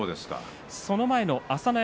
その前の朝乃山